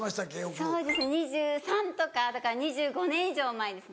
そうですね２３とかだから２５年以上前ですね。